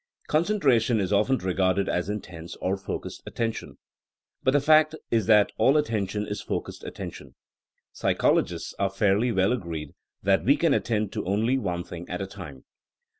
Concentration is often regarded as intense or focused attention. But the fact is that all attention is focused attention. Psychologists are fairly well agreed that we can attend to only one thing at a time.